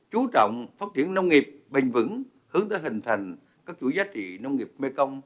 chú trọng phát triển nông nghiệp bình vững hướng tới hình thành các chủ giá trị nông nghiệp mê công